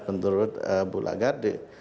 menurut bu lagarde